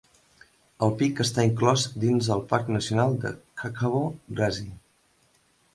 El pic està inclòs dins el Parc Nacional de Hkakabo Razi.